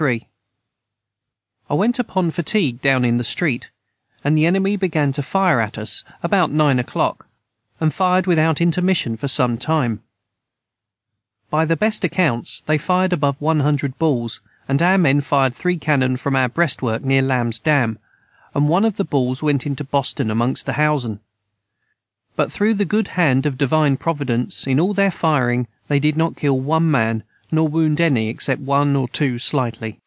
] the 23. I went upon fatigue down in the street and the Enemy began to fire at us about 9 oclock and fired without intermition for some time bie the best acounts they fired above one hundred balls and our men fired 3 canon from our brest work near Lams Damb and one of the balls went into Boston amongst the housen but through the good hand of Devine providence in all their firing they did not kill one man nor wound any except one or too slitely.